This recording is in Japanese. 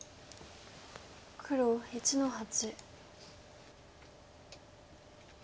黒１の八。